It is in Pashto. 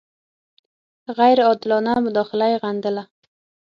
غیر عادلانه مداخله یې غندله.